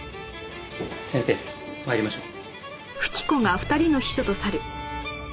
先生参りましょう。